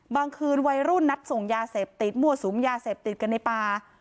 เมื่อคืนวัยรุ่นนัดส่งยาเสพติดมั่วสุมยาเสพติดกันในป่า